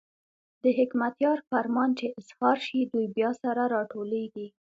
د حکمتیار فرمان چې اظهار شي، دوی بیا سره راټولېږي.